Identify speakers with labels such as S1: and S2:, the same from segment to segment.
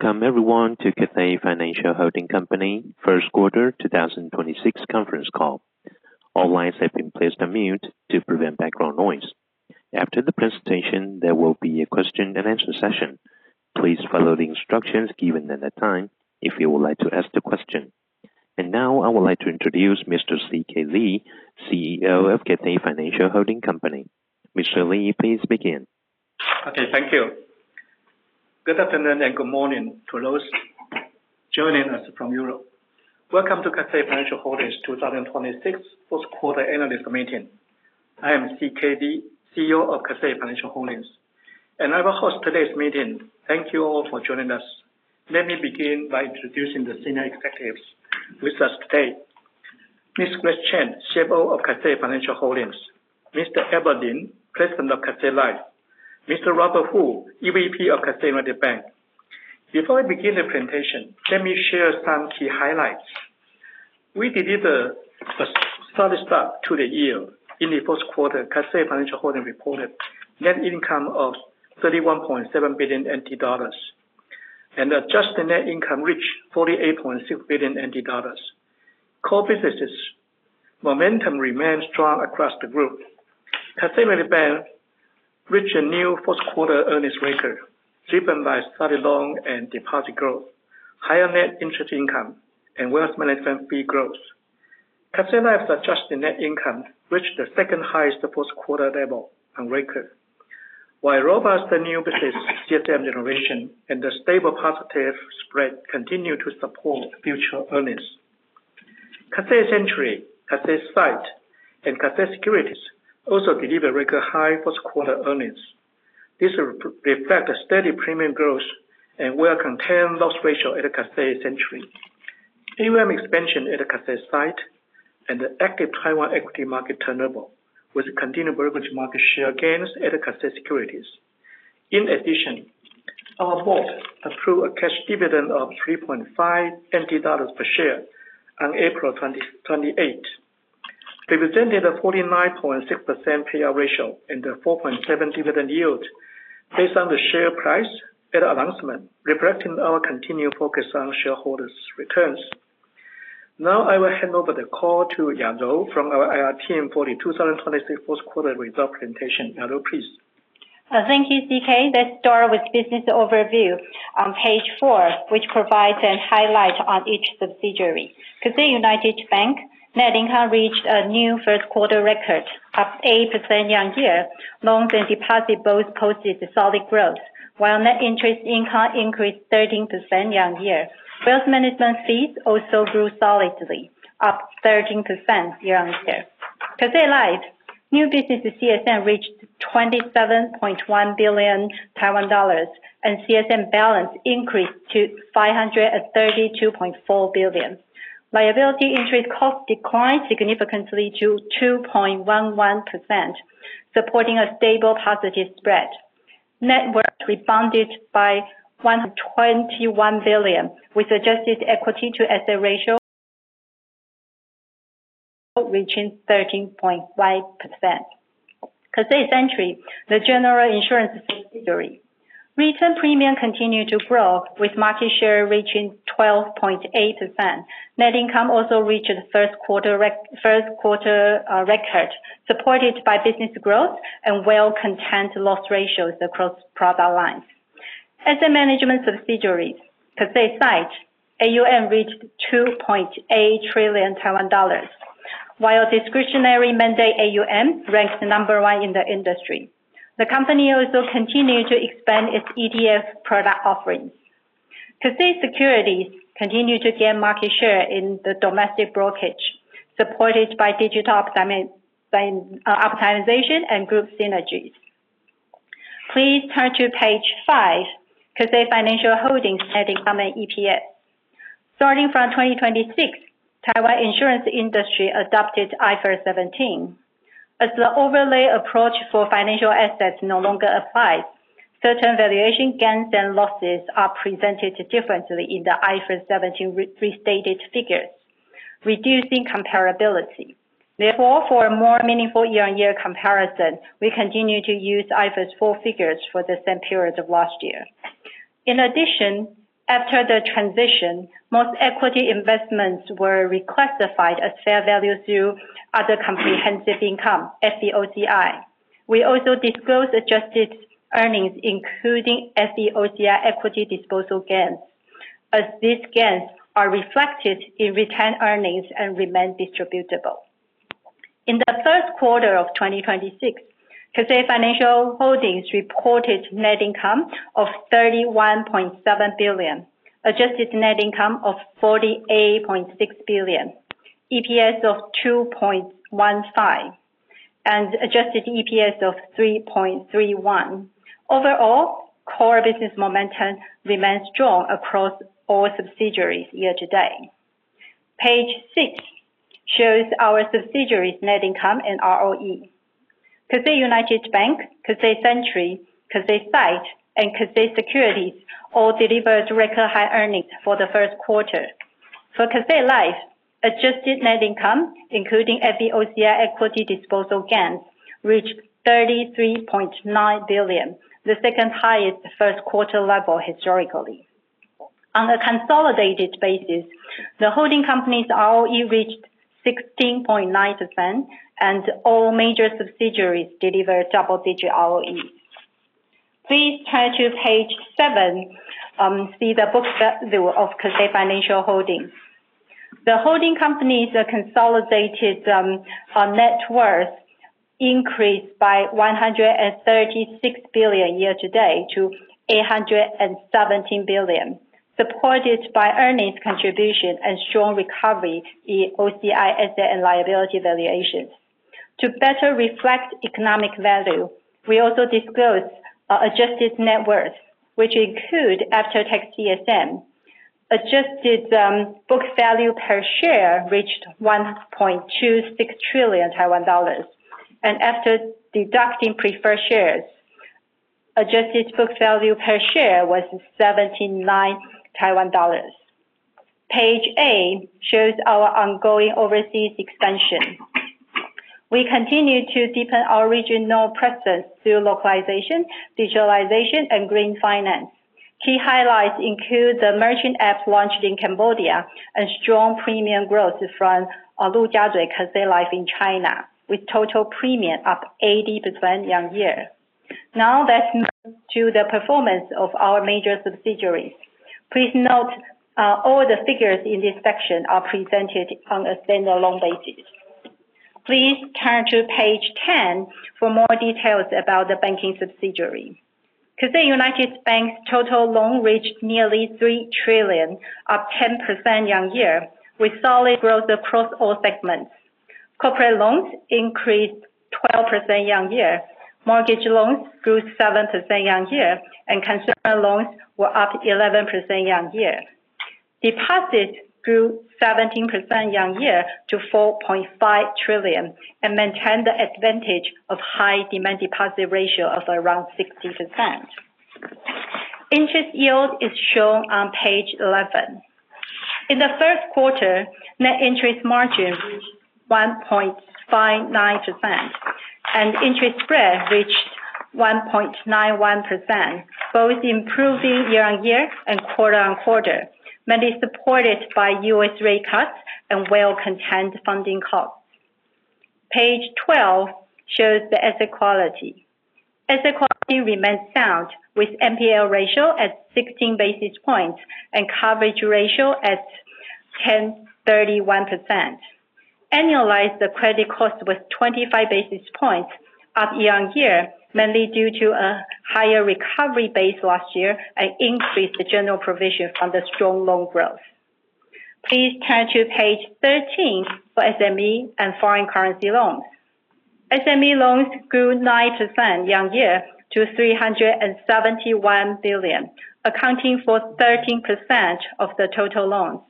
S1: Welcome everyone to Cathay Financial Holding Company first quarter 2026 conference call. All lines have been placed on mute to prevent background noise. After the presentation, there will be a question and answer session. Please follow the instructions given at that time if you would like to ask the question. Now I would like to introduce Mr. C.K. Lee, CEO of Cathay Financial Holding Company. Mr. Lee, please begin.
S2: Okay. Thank you. Good afternoon and good morning to those joining us from Europe. Welcome to Cathay Financial Holding 2026 first quarter analyst meeting. I am C.K. Lee, CEO of Cathay Financial Holding, and I will host today's meeting. Thank you all for joining us. Let me begin by introducing the senior executives with us today. Ms. Grace Chen, CFO of Cathay Financial Holding, Mr. Abel Lin, President of Cathay Life, Mr. Robert Fuh, EVP of Cathay United Bank. Before I begin the presentation, let me share some key highlights. We delivered a solid start to the year. In the first quarter, Cathay Financial Holding reported net income of 31.7 billion NT dollars, and adjusted net income reached 48.6 billion NT dollars. Core businesses momentum remains strong across the group. Cathay United Bank reached a new first quarter earnings record, driven by solid loan and deposit growth, higher net interest income, and wealth management fee growth. Cathay Life adjusted net income reached the second highest first quarter level on record, while robust new business CSM generation and the stable positive spread continue to support future earnings. Cathay Century, Cathay SITE, and Cathay Securities also delivered record high first quarter earnings. This reflects steady premium growth and well-contained loss ratio at Cathay Century. AUM expansion at Cathay SITE, and active Taiwan equity market turnover, with continued brokerage market share gains at Cathay Securities. In addition, our board approved a cash dividend of 3.5 NT dollars per share on April 28, representing a 49.6% payout ratio and a 4.7 dividend yield based on the share price at announcement, reflecting our continued focus on shareholders' returns. Now I will hand over the call to Yajou from our IR team for the 2026 first quarter results presentation. Yajou, please.
S3: Thank you, C.K. Let's start with business overview on page four, which provides an highlight on each subsidiary. Cathay United Bank net income reached a new first quarter record, up 8% year-on-year. Loans and deposits both posted solid growth, while net interest income increased 13% year-on-year. Wealth management fees also grew solidly, up 13% year-on-year. Cathay Life new business CSM reached 27.1 billion Taiwan dollars, and CSM balance increased to 532.4 billion. Liability interest costs declined significantly to 2.11%, supporting a stable positive spread. Net worth rebounded by 121 billion, with adjusted equity to asset ratio reaching 13.5%. Cathay Century, the general insurance subsidiary. Retained premium continued to grow, with market share reaching 12.8%. Net income also reached a first quarter record, supported by business growth and well-contained loss ratios across product lines. Asset management subsidiaries, Cathay SITE AUM reached 2.8 trillion Taiwan dollars, while discretionary mandate AUM ranks number one in the industry. The company also continued to expand its ETF product offerings. Cathay Securities continued to gain market share in the domestic brokerage, supported by digital optimization and group synergies. Please turn to page five. Cathay Financial Holding net income and EPS. Starting from 2026, Taiwan insurance industry adopted IFRS 17. As the overlay approach for financial assets no longer applies, certain valuation gains and losses are presented differently in the IFRS 17 restated figures, reducing comparability. For a more meaningful year-on-year comparison, we continue to use IFRS 4 figures for the same period of last year. After the transition, most equity investments were reclassified as fair value through other comprehensive income, FVOCI. We also disclose adjusted earnings, including FVOCI equity disposal gains, as these gains are reflected in retained earnings and remain distributable. In the first quarter of 2026, Cathay Financial Holding reported net income of 31.7 billion, adjusted net income of 48.6 billion, EPS of 2.15, and adjusted EPS of 3.31. Overall, core business momentum remains strong across all subsidiaries year to date. Page six shows our subsidiaries' net income and ROE. Cathay United Bank, Cathay Century, Cathay SITE, and Cathay Securities all delivered record high earnings for the first quarter. For Cathay Life, adjusted net income, including FVOCI equity disposal gains, reached 33.9 billion, the second highest first quarter level historically. On a consolidated basis, the holding company's ROE reached 16.9%, and all major subsidiaries delivered double-digit ROE. Please turn to page seven to see the book value of Cathay Financial Holding. The holding company's consolidated net worth increased by 136 billion year-to-date to 817 billion, supported by earnings contribution and strong recovery in OCI asset and liability valuations. To better reflect economic value, we also disclose adjusted net worth, which include after-tax CSM. Adjusted book value per share reached 1.26 trillion Taiwan dollars. After deducting preferred shares, adjusted book value per share was 79 Taiwan dollars. Page eight shows our ongoing overseas expansion. We continue to deepen our regional presence through localization, digitalization, and green finance. Key highlights include the merchant apps launched in Cambodia and strong premium growth from Lujiazui Cathay Life in China, with total premium up 80% year-on-year. Now let's move to the performance of our major subsidiaries. Please note all the figures in this section are presented on a standalone basis. Please turn to page 10 for more details about the banking subsidiary. Cathay United Bank's total loans reached nearly 3 trillion, up 10% year-on-year, with solid growth across all segments. Corporate loans increased 12% year-on-year, mortgage loans grew 7% year-on-year, and consumer loans were up 11% year-on-year. Deposits grew 17% year-on-year to 4.5 trillion and maintained the advantage of high demand deposit ratio of around 60%. Interest yield is shown on page 11. In the first quarter, net interest margin reached 1.59%, and interest spread reached 1.91%, both improving year-on-year and quarter-on-quarter, mainly supported by U.S. rate cuts and well-contained funding costs. Page 12 shows the asset quality. Asset quality remains sound with NPL ratio at 16 basis points and coverage ratio at 1031%. Annualized credit costs was 25 basis points up year-on-year, mainly due to a higher recovery base last year and increased general provision from the strong loan growth. Please turn to page 13 for SME and foreign currency loans. SME loans grew 9% year-on-year to 371 billion, accounting for 13% of the total loans.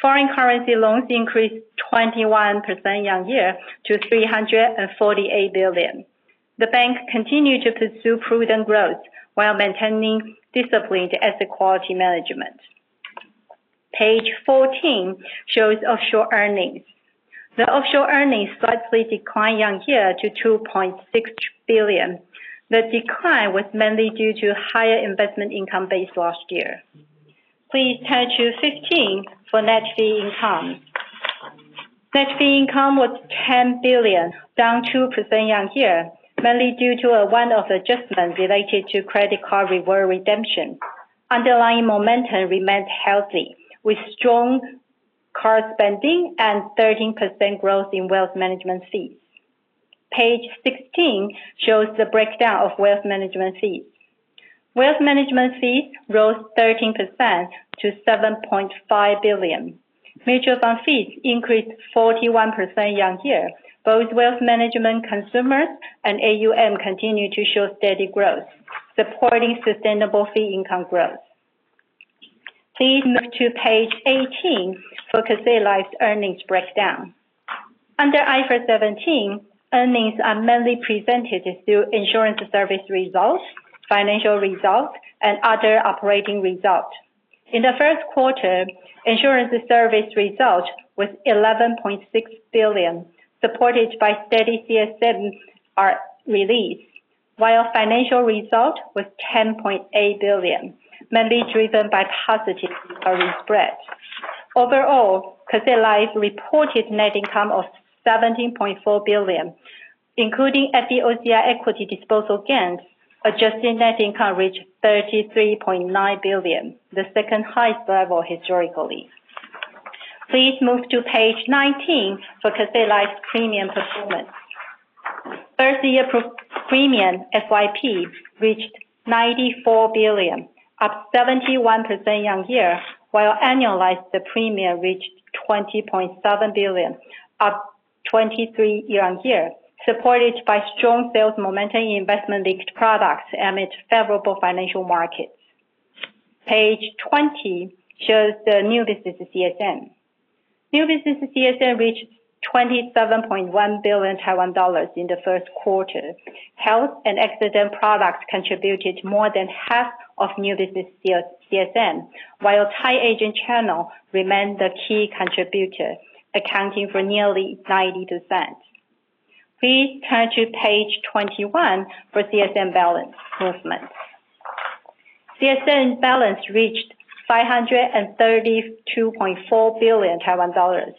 S3: Foreign currency loans increased 21% year-on-year to 348 billion. The bank continued to pursue prudent growth while maintaining disciplined asset quality management. Page 14 shows offshore earnings. The offshore earnings slightly declined year-on-year to 2.6 billion. The decline was mainly due to higher investment income base last year. Please turn to 15 for net fee income. Net fee income was 10 billion, down 2% year-on-year, mainly due to a one-off adjustment related to credit card reward redemption. Underlying momentum remained healthy, with strong card spending and 13% growth in wealth management fees. Page 16 shows the breakdown of wealth management fees. Wealth management fees rose 13% to 7.5 billion. Mutual fund fees increased 41% year-over-year. Both wealth management consumers and AUM continue to show steady growth, supporting sustainable fee income growth. Please move to page 18 for Cathay Life's earnings breakdown. Under IFRS 17, earnings are mainly presented through insurance service results, financial results, and other operating results. In the first quarter, insurance service result was 11.6 billion, supported by steady CSM release, while financial result was 10.8 billion, mainly driven by positive spread. Overall, Cathay Life reported net income of 17.4 billion, including FVOCI equity disposal gains, adjusted net income reached 33.9 billion, the second highest level historically. Please move to page 19 for Cathay Life's premium performance. First-year premium, FYP, reached 94 billion, up 71% year-on-year, while annualized premium reached 20.7 billion, up 23% year-on-year, supported by strong sales momentum in investment-linked products amid favorable financial markets. Page 20 shows the new business CSM. New business CSM reached 27.1 billion Taiwan dollars in the first quarter. Health and accident products contributed more than half of new business CSM, while tied agent channel remained the key contributor, accounting for nearly 90%. Please turn to page 21 for CSM balance movement. CSM balance reached 532.4 billion Taiwan dollars,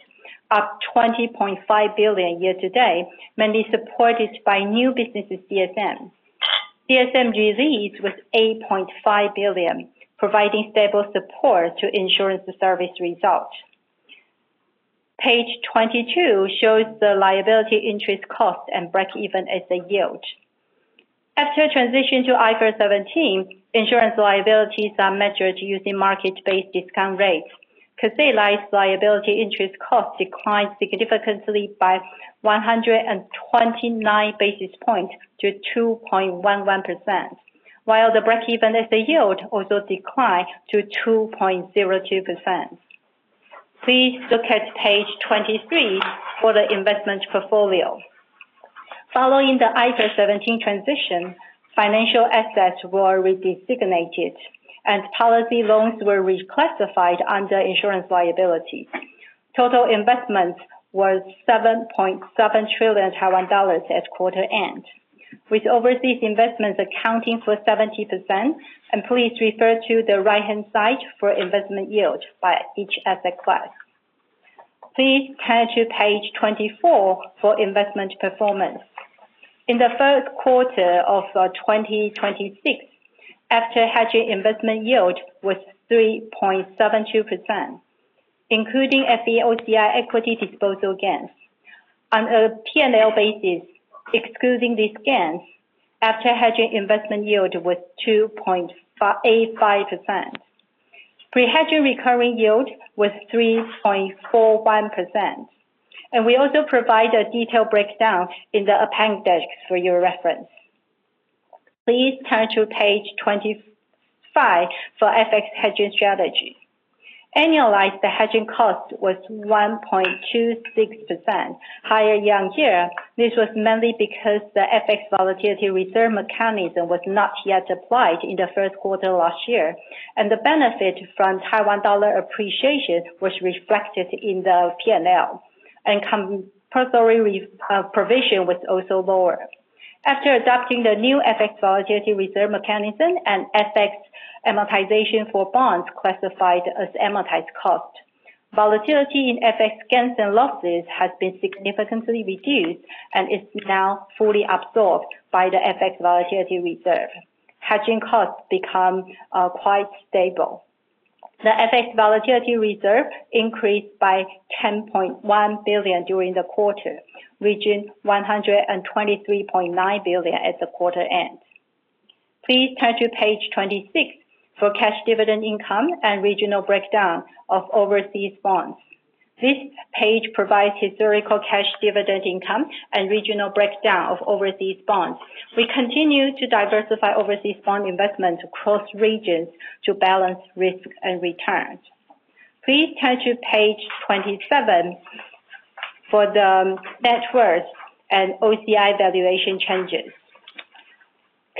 S3: up 20.5 billion year-to-date, mainly supported by new businesses CSM. CSM release with 8.5 billion, providing stable support to insurance service results. Page 22 shows the liability interest cost and breakeven asset yield. After transition to IFRS 17, insurance liabilities are measured using market-based discount rates. Cathay Life's liability interest cost declined significantly by 129 basis points to 2.11%, while the breakeven asset yield also declined to 2.02%. Please look at page 23 for the investment portfolio. Following the IFRS 17 transition, financial assets were re-designated and policy loans were reclassified under insurance liabilities. Total investment was 7.7 trillion Taiwan dollars at quarter end, with overseas investments accounting for 70%. Please refer to the right-hand side for investment yield by each asset class. Please turn to page 24 for investment performance. In the first quarter of 2026, after hedging investment yield was 3.72%, including FVOCI equity disposal gains. On a P&L basis, excluding these gains, after hedging investment yield was 2.85%. Pre-hedging recurring yield was 3.41%, and we also provide a detailed breakdown in the appendix for your reference. Please turn to page 25 for FX hedging strategy. Annualized, the hedging cost was 1.26%, higher year-on-year. This was mainly because the FX volatility reserve mechanism was not yet applied in the first quarter last year, and the benefit from Taiwan dollar appreciation was reflected in the P&L, and compulsory provision was also lower. After adopting the new FX volatility reserve mechanism and FX amortization for bonds classified as amortized cost, volatility in FX gains and losses has been significantly reduced and is now fully absorbed by the FX volatility reserve. Hedging costs become quite stable. The FX volatility reserve increased by 10.1 billion during the quarter, reaching 123.9 billion at the quarter-end. Please turn to page 26 for cash dividend income and regional breakdown of overseas bonds. This page provides historical cash dividend income and regional breakdown of overseas bonds. We continue to diversify overseas bond investment across regions to balance risk and returns. Please turn to page 27 for the net worth and OCI valuation changes.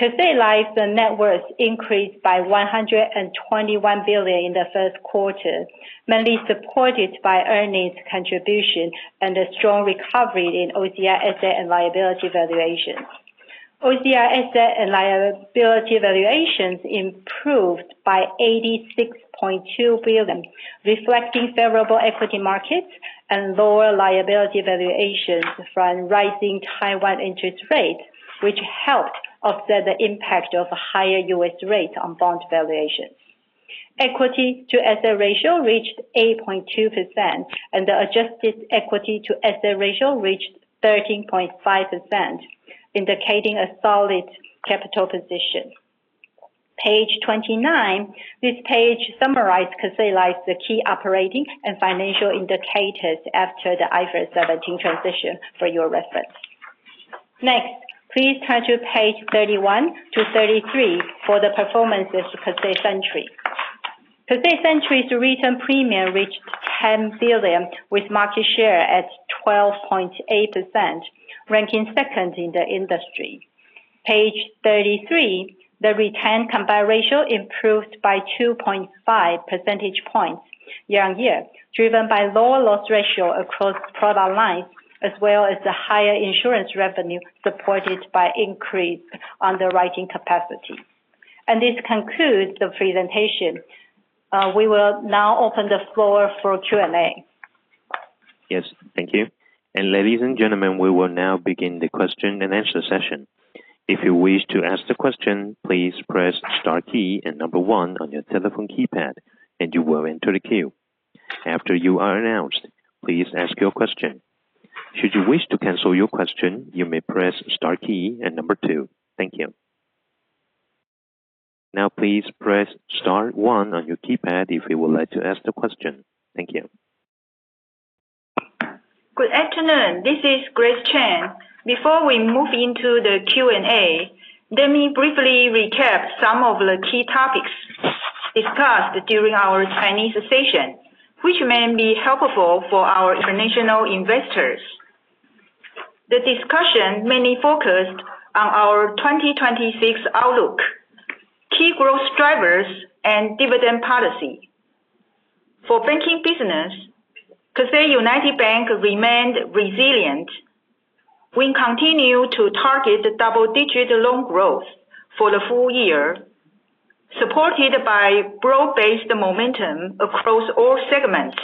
S3: Cathay Life, the net worth increased by 121 billion in the first quarter, mainly supported by earnings contribution and a strong recovery in OCI asset and liability valuations. OCI asset and liability valuations improved by 86.2 billion, reflecting favorable equity markets and lower liability valuations from rising Taiwan interest rates, which helped offset the impact of higher U.S. rates on bond valuations. Equity to asset ratio reached 8.2%, and the adjusted equity to asset ratio reached 13.5%, indicating a solid capital position. Page 29. This page summarizes Cathay Life's key operating and financial indicators after the IFRS 17 transition for your reference. Please turn to page 31 to 33 for the performances of Cathay Century. Cathay Century's retained premium reached 10 billion with market share at 12.8%, ranking second in the industry. Page 33, the retained combined ratio improved by 2.5 percentage points year-on-year, driven by lower loss ratio across product lines, as well as the higher insurance revenue supported by increased underwriting capacity. This concludes the presentation. We will now open the floor for Q&A.
S1: Yes, thank you. Ladies and gentlemen, we will now begin the question and answer session. If you wish to ask the question, please press star key and number one on your telephone keypad and you will enter the queue. After you are announced, please ask your question. Should you wish to cancel your question, you may press star key and number two. Thank you. Please press star one on your keypad if you would like to ask the question. Thank you.
S4: Good afternoon. This is Grace Chen. Before we move into the Q&A, let me briefly recap some of the key topics discussed during our Chinese session, which may be helpful for our international investors. The discussion mainly focused on our 2026 outlook, key growth drivers, and dividend policy. For banking business, Cathay United Bank remained resilient. We continue to target double-digit loan growth for the full year, supported by broad-based momentum across all segments,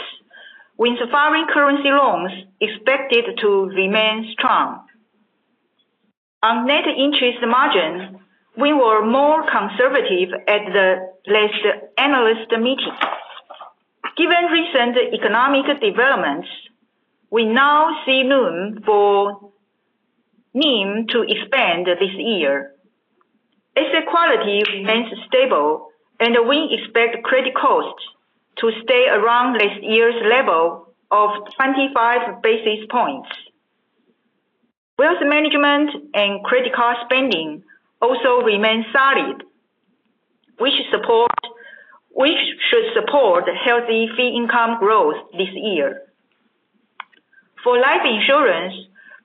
S4: with foreign currency loans expected to remain strong. On net interest margins, we were more conservative at the last analyst meeting. Given recent economic developments, we now see room for NIM to expand this year. Asset quality remains stable, and we expect credit costs to stay around last year's level of 25 basis points. Wealth management and credit card spending also remain solid, which should support healthy fee income growth this year. For life insurance,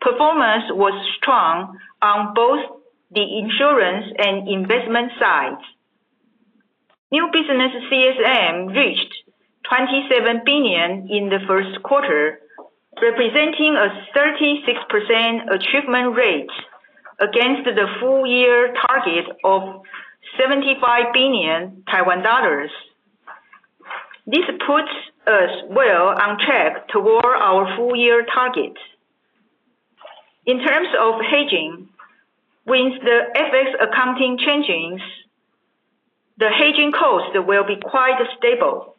S4: performance was strong on both the insurance and investment sides. New business CSM reached 27 billion in the first quarter, representing a 36% achievement rate against the full-year target of 75 billion Taiwan dollars. This puts us well on track toward our full-year target. In terms of hedging, with the FX accounting changes, the hedging cost will be quite stable.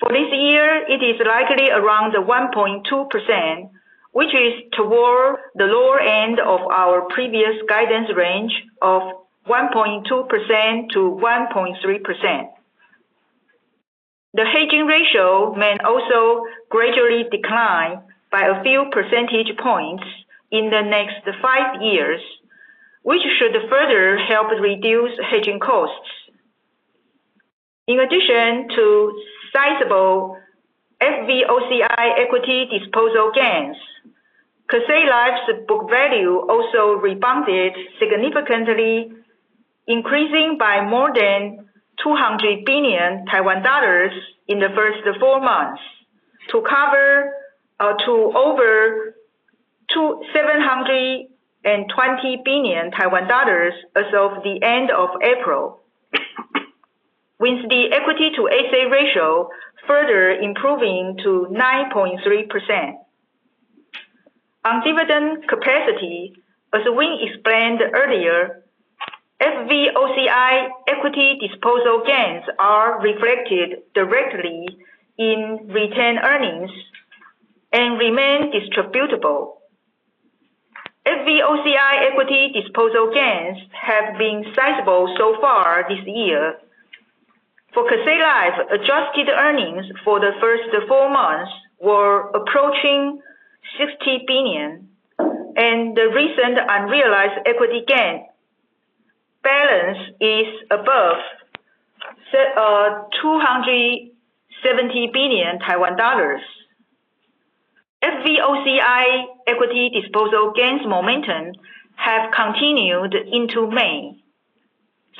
S4: For this year, it is likely around 1.2%, which is toward the lower end of our previous guidance range of 1.2%-1.3%. The hedging ratio may also gradually decline by a few percentage points in the next five years, which should further help reduce hedging costs. In addition to sizable FVOCI equity disposal gains, Cathay Life's book value also rebounded significantly, increasing by more than 200 billion Taiwan dollars in the first four months to over 720 billion Taiwan dollars as of the end of April, with the equity to asset ratio further improving to 9.3%. On dividend capacity, as we explained earlier, FVOCI equity disposal gains are reflected directly in retained earnings and remain distributable. FVOCI equity disposal gains have been sizable so far this year. For Cathay Life, adjusted earnings for the first four months were approaching 60 billion, and the recent unrealized equity gain balance is above TWD 270 billion. FVOCI equity disposal gains momentum have continued into May,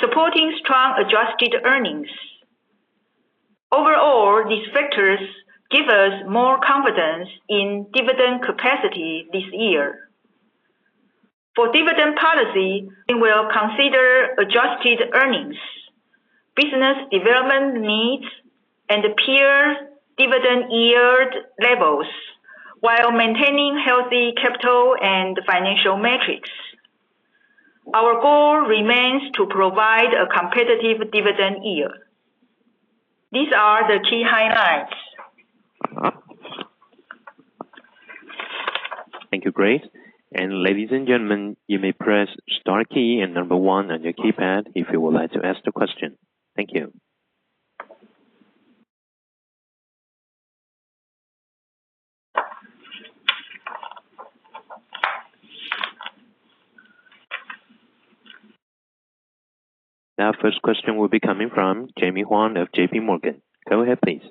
S4: supporting strong adjusted earnings. Overall, these factors give us more confidence in dividend capacity this year. For dividend policy, we will consider adjusted earnings, business development needs, and peer dividend yield levels while maintaining healthy capital and financial metrics. Our goal remains to provide a competitive dividend yield. These are the key highlights.
S1: Thank you, Grace. Ladies and gentlemen, you may press star key and number one on your keypad if you would like to ask the question. Thank you. First question will be coming from Jemmy Huang of JPMorgan. Go ahead, please.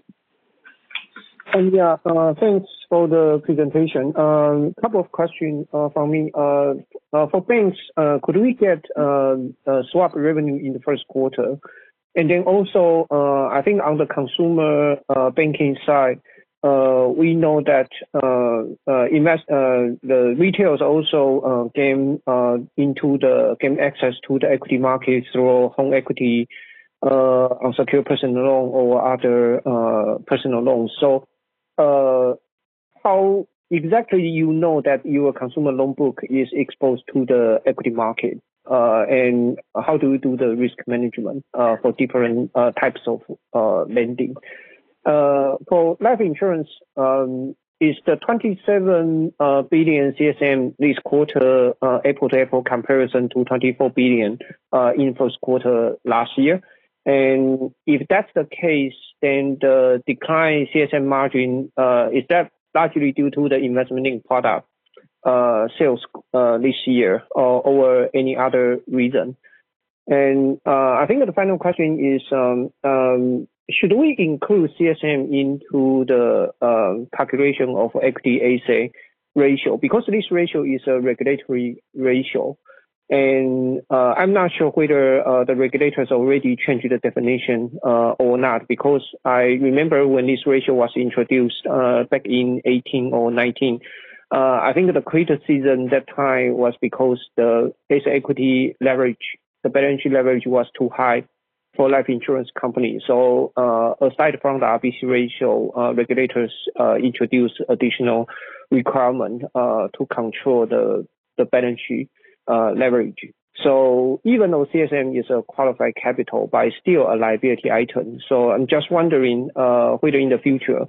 S5: Thanks for the presentation. Couple of questions from me. For banks, could we get swap revenue in the first quarter? Also, I think on the consumer banking side, we know that the retailers also gain access to the equity markets through home equity, unsecured personal loan or other personal loans. How exactly you know that your consumer loan book is exposed to the equity market? How do you do the risk management for different types of lending? For life insurance, is the 27 billion CSM this quarter, April to April, comparison to 24 billion in first quarter last year? If that's the case, the decline in CSM margin, is that largely due to the investment link product sales this year or any other reason? I think the final question is, should we include CSM into the calculation of E to A ratio? This ratio is a regulatory ratio, and I'm not sure whether the regulators already changed the definition or not. I remember when this ratio was introduced back in 2018 or 2019, I think the greatest reason at that time was because the basic equity leverage, the balance sheet leverage was too high for life insurance companies. Aside from the RBC ratio, regulators introduced additional requirement to control the balance sheet leverage. Even though CSM is a qualified capital but is still a liability item. I'm just wondering whether in the future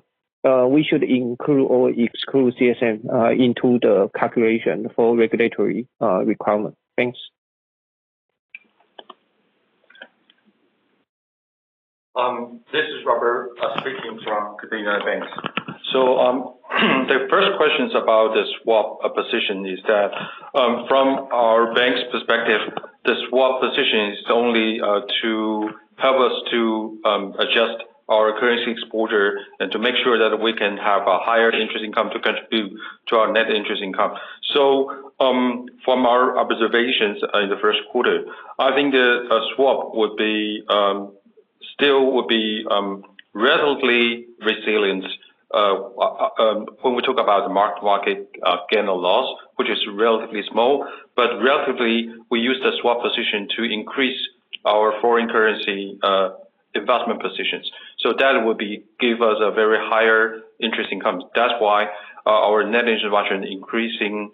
S5: we should include or exclude CSM into the calculation for regulatory requirement. Thanks.
S6: This is Robert speaking from Cathay United Bank. The first question is about the swap position is that from our bank's perspective, the swap position is only to help us to adjust our currency exposure and to make sure that we can have a higher interest income to contribute to our net interest income. From our observations in the first quarter, I think the swap still would be relatively resilient when we talk about the market gain or loss, which is relatively small, but relatively we use the swap position to increase our foreign currency investment positions. That would give us a very higher interest income. That's why our net interest margin increasing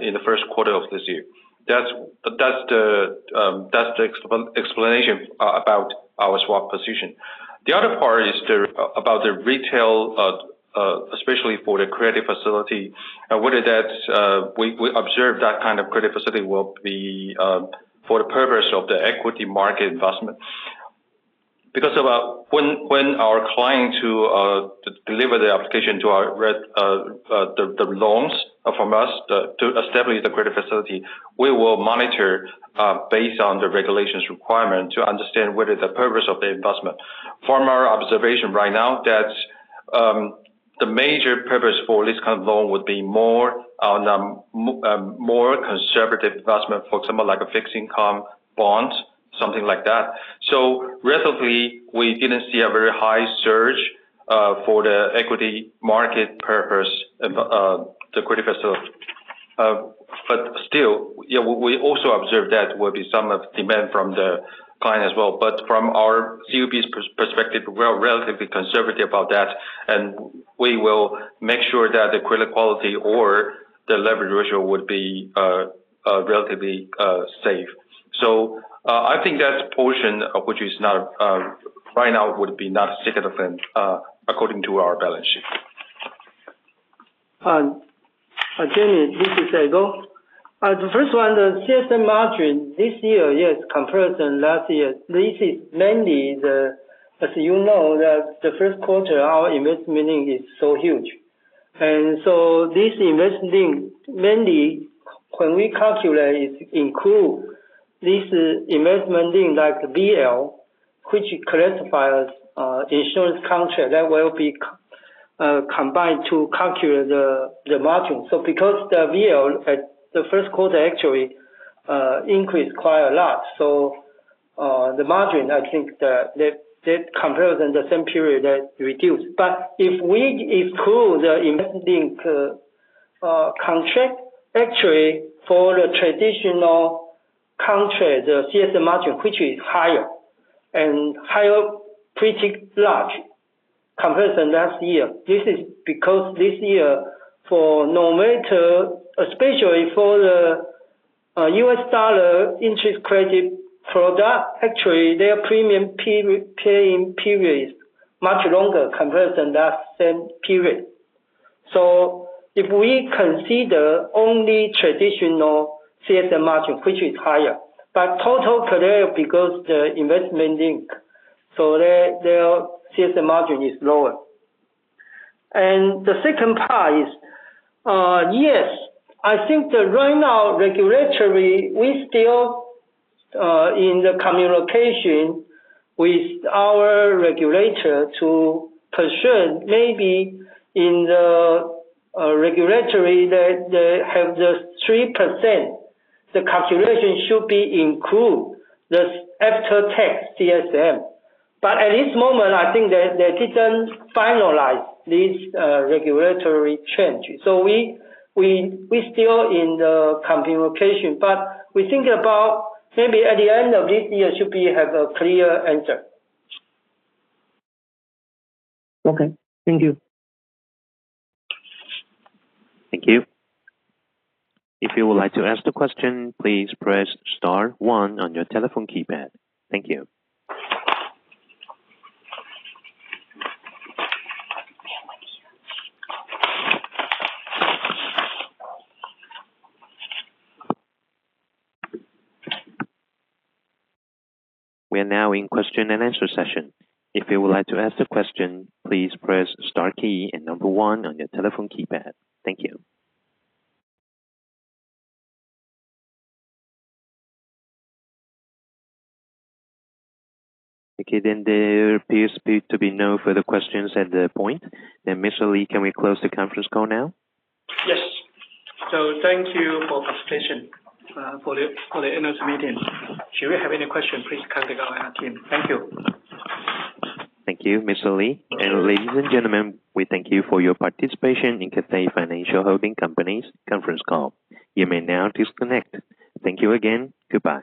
S6: in the first quarter of this year. That's the explanation about our swap position. The other part is about the retail, especially for the credit facility, and whether we observed that kind of credit facility will be for the purpose of the equity market investment. When our client to deliver the application to the loans from us to establish the credit facility, we will monitor based on the regulations requirement to understand whether the purpose of the investment. From our observation right now, that the major purpose for this kind of loan would be more on a more conservative investment, for example, like a fixed income bond, something like that. Relatively, we didn't see a very high surge for the equity market purpose, the credit facility. Still, we also observed that will be some of demand from the client as well, but from our CUB's perspective, we're relatively conservative about that, and we will make sure that the credit quality or the leverage ratio would be relatively safe. I think that portion which is now, right now would be not significant according to our balance sheet.
S7: Again, this is Abel. The first one, the CSM margin this year, yes, comparison last year. This is mainly as you know, that the first quarter, our investment income is so huge. This investment income, mainly when we calculate it include this investment income like VL, which classifies insurance contract that will be combined to calculate the margin. Because the VL at the first quarter actually increased quite a lot, so the margin, I think that compared to the same period that reduced. If we exclude the investment income contract, actually for the traditional contract, the CSM margin, which is higher, and higher pretty large comparison last year. This is because this year for numerator, especially for the U.S. dollar interest credit product, actually their premium paying period is much longer compared to last same period. If we consider only traditional CSM margin, which is higher, but total because the investment income, so their CSM margin is lower. The second part is, yes, I think that right now regulatory, we're still in the communication with our regulator to pursue maybe in the regulatory that they have the 3%, the calculation should be include this after-tax CSM. At this moment, I think they didn't finalize these regulatory changes. We're still in the communication. We think about maybe at the end of this year should we have a clear answer.
S5: Okay. Thank you.
S1: Thank you. If you would like to ask the question, please press star one on your telephone keypad. Thank you. We are now in question and answer session. If you would like to ask the question, please press star key and number one on your telephone keypad. Thank you. Okay, there appears to be no further questions at the point. Mr. Lee, can we close the conference call now?
S2: Yes. Thank you for participation for the analyst meeting. Should you have any question, please contact our IR team. Thank you.
S1: Thank you, Mr. Lee. Ladies and gentlemen, we thank you for your participation in Cathay Financial Holding Company's conference call. You may now disconnect. Thank you again. Goodbye.